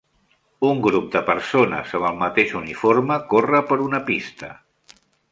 Un grup de persones amb el mateix uniforme corre per una pista.